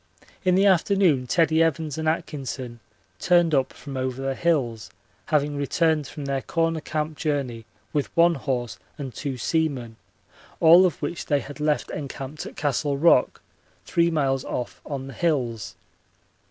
In the afternoon Teddie Evans and Atkinson turned up from over the hills, having returned from their Corner Camp journey with one horse and two seamen, all of which they had left encamped at Castle Rock, three miles off on the hills.